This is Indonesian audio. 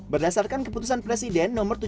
berdasarkan keputusan presiden